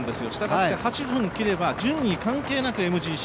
８分切れば順位関係なくＭＧＣ。